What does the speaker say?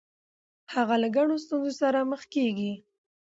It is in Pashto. هغه له ګڼو ستونزو سره مخ کیږي.